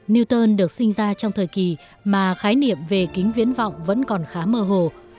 newton được sinh ra trong thời kỳ mà khái niệm về kính viễn vọng vẫn còn khá mơ hồ